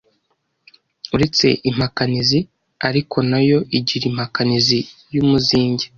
uretse Impakanizi ariko nayo igira impakanizi y’umuzinge